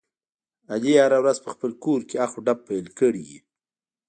علي هره ورځ په خپل کورکې اخ او ډب پیل کړی وي.